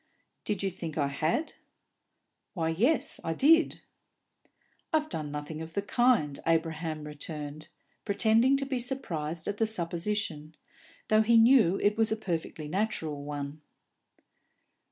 "Did you think I had?" "Why, yes, I did." "I've done nothing of the kind," Abraham returned, pretending to be surprised at the supposition, though he knew it was a perfectly natural one.